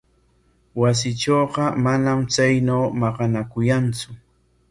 Wasiitrawqa manam chaynaw maqanakuyantsu.